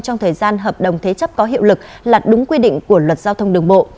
trong thời gian hợp đồng thế chấp có hiệu lực là đúng quy định của luật giao thông đường bộ